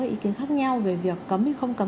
ý kiến khác nhau về việc cấm hay không cấm